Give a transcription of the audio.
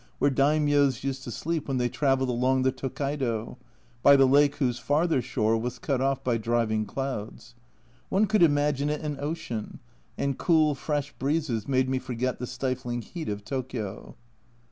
A Journal from Japan 197 where daimios used to sleep when they travelled along the Tokkaido by the lake whose farther shore was cut off by driving clouds. One could imagine it an ocean, and cool fresh breezes made me forget the stifling heat of Tokio.